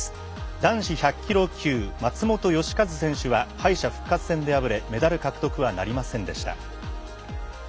男子１００キロ級松本義和選手は敗者復活戦で敗れメダル獲得はなりませんでした。